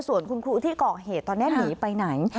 ส่วนคุณครูที่เกาะเหตุตอนนี้หนีไปไหน